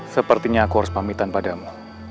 sepertinya aku harus pamitan padamu